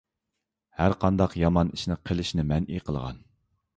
ھەر قانداق يامان ئىشنى قىلىشنى مەنئى قىلغان.